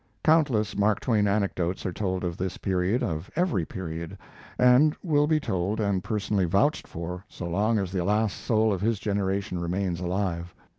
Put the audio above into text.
Countless Mark Twain anecdotes are told of this period, of every period, and will be told and personally vouched for so long as the last soul of his generation remains alive.